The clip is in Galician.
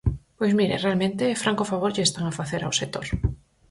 Pois, mire, realmente, fraco favor lle están a facer ao sector.